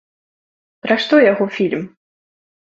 Пра што яго фільм?